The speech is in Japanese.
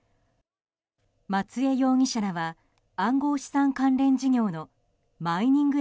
松江容疑者らは暗号資産関連事業のマイニング